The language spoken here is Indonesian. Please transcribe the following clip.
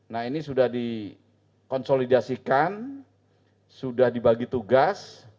nah ini sudah dikonsolidasikan sudah dibagi tugas